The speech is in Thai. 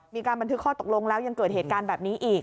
มีการบันทึกข้อตกลงแล้วยังเกิดเหตุการณ์แบบนี้อีก